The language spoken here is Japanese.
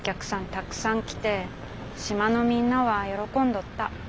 たくさん来てしまのみんなはよろこんどった。